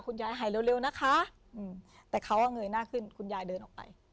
คุณยายหายเร็วเร็วนะคะอืมแต่เขาเอาเงยหน้าขึ้นคุณยายเดินออกไป